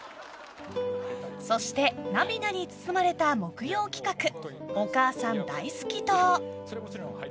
そして涙に包まれた木曜企画お母さん大好き党。